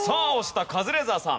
はいカズレーザーさん